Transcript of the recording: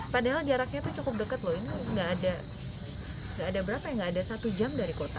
padahal jaraknya cukup dekat loh ini nggak ada berapa ya nggak ada satu jam dari kota